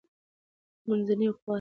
-منځنی خوات: